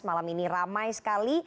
malam ini ramai sekali